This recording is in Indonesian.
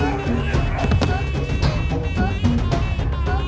akan kita kasihieran pak